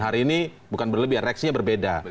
hari ini bukan berlebihan reaksinya berbeda